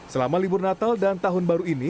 selama libur natal dan tahun baru ini